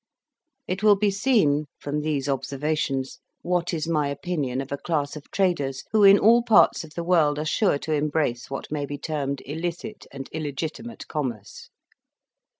It will be seen, from these observations, what is my opinion of a class of traders who in all parts of the world are sure to embrace what may be termed illicit and illegitimate commerce.